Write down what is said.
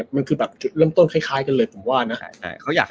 มันคือแบบเริ่มต้นคล้ายกันเลย